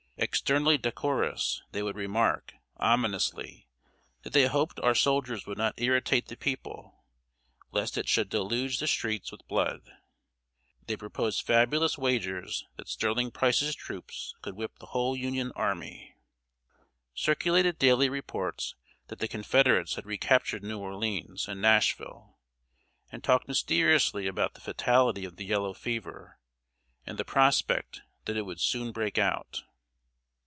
Externally decorous, they would remark, ominously, that they hoped our soldiers would not irritate the people, lest it should deluge the streets with blood. They proposed fabulous wagers that Sterling Price's troops could whip the whole Union army; circulated daily reports that the Confederates had recaptured New Orleans and Nashville, and talked mysteriously about the fatality of the yellow fever, and the prospect that it would soon break out.